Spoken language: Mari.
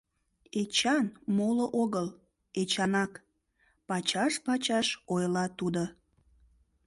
Эчан, моло огыл, Эчанак, — пачаш-пачаш ойла тудо.